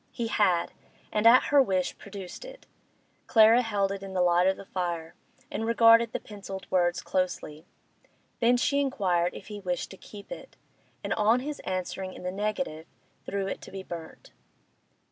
He had, and at her wish produced it. Clara held it in the light of the fire, and regarded the pencilled words closely. Then she inquired if he wished to keep it, and on his answering in the negative threw it to be burnt.